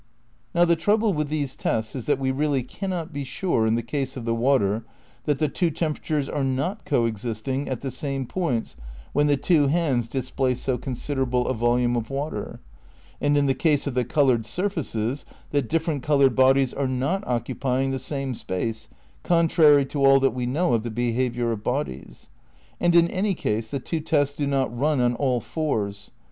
Now the trouble with these tests is that we really cannot be sure, in the case of the water, that the two temperatures are not co existing at the same points when the two hands displace so considerable a volume of water, and in the case of the coloured surfaces that different coloured bodies are not occupying the same space, contrary to all that we know of the behaviour of bodies. And in any case the two tests do not run on aU fours.